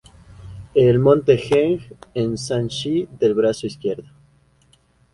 El monte Heng en Shanxi, del brazo izquierdo.